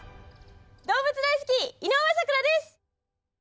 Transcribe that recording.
動物大好き井上咲楽です！